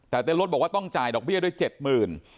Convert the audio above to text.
แต่เต้นรถบอกว่าต้องจ่ายดอกเบี้ยด้วย๗๐๐บาท